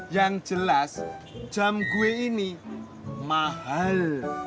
yang jelas jam gue ini mahal